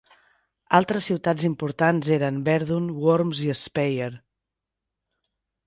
Altres ciutats importants eren Verdun, Worms i Speyer.